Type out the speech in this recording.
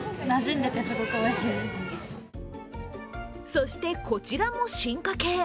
そして、こちらも進化系。